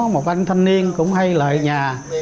một anh thanh niên cũng hay lại nhà